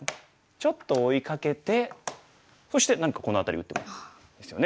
ちょっと追いかけてそして何かこの辺り打ってもいいですよね。